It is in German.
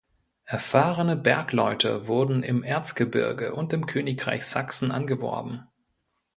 Erfahrene Bergleute wurden im Erzgebirge und im Königreich Sachsen angeworben.